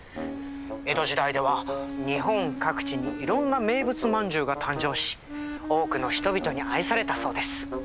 江戸時代では日本各地にいろんな名物饅頭が誕生し多くの人々に愛されたそうです。